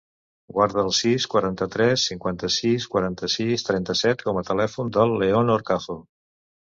Guarda el sis, quaranta-tres, cinquanta-sis, quaranta-sis, trenta-set com a telèfon del León Horcajo.